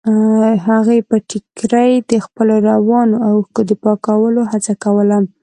هغې په ټيکري د خپلو روانو اوښکو د پاکولو هڅه کوله.